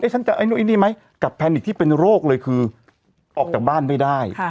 ฉันจะไอ้นู่นไอ้นี่ไหมกับแพนิกที่เป็นโรคเลยคือออกจากบ้านไม่ได้